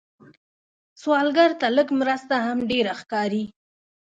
سوالګر ته لږ مرسته هم ډېره ښکاري